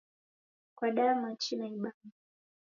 Kwadaya machi na ibamba?